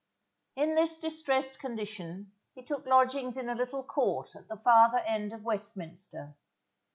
In this distressed condition he took lodgings in a little court at the farther end of Westminster.